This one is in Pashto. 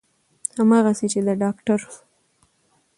همغسې چې د داکتر